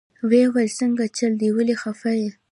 ويې ويل سنګه چل دې ولې خفه يې.